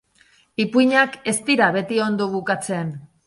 Ipuinak ez dira beti ondo bukatzen.